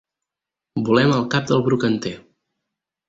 Volem el cap del brocanter.